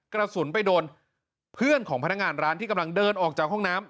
กระสุนไปโดนเพื่อนของพนักงานร้านที่กำลังเดินออกจากห้องน้ำ